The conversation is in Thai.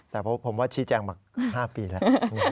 แต่ผมว่าชี้แจงมา๕ปีแล้ว